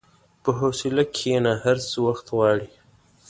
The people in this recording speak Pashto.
په حوصله کښېنه، هر څه وخت غواړي.